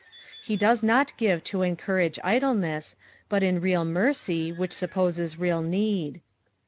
He docs not give to encourage leness, but in real mercy, which supposes real need.